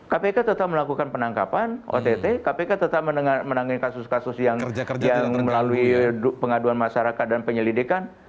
kpk tetap melakukan penangkapan ott kpk tetap menangin kasus kasus yang melalui pengaduan masyarakat dan penyelidikan